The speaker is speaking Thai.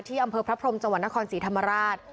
อำเภอพระพรมจังหวัดนครศรีธรรมราช